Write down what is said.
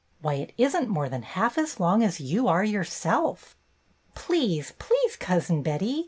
" Why, it is n't more than half as long as you are yourself." "Please! Please^ Cousin Betty!